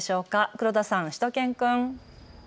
黒田さん、しゅと犬くん。